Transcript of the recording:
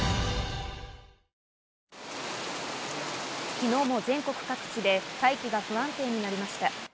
昨日も全国各地で大気が不安定になりました。